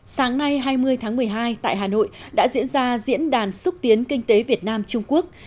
sáng nay hai mươi tháng một mươi hai tại hà nội đã diễn ra diễn đàn xúc tiến kinh tế việt nam trung quốc